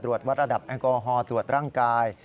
วัดระดับแอลกอฮอล์ตรวจร่างกาย